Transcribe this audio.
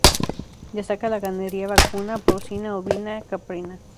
Destaca la ganadería vacuna, porcina, ovina, caprina.